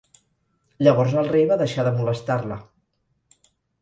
Llavors el rei va deixar de molestar-la.